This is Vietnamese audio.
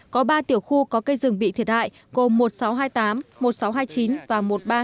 có ba tiểu khu có cây rừng bị thiệt hại gồm một nghìn sáu trăm hai mươi tám một nghìn sáu trăm hai mươi chín và một nghìn ba trăm hai mươi chín